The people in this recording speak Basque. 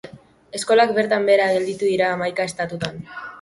Eskolak bertan behera gelditu dira hamaika estatutan.